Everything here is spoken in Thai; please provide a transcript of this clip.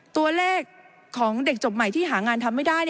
ตัวเลขของเด็กจบใหม่ที่หางานทำไม่ได้